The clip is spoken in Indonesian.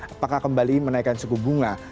apakah kembali menaikkan suku bunga